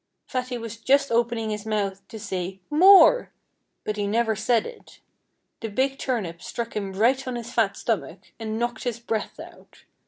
Fatty was just opening his mouth to say "More!" But he never said it. The big turnip struck him right on his fat stomach and knocked his breath out.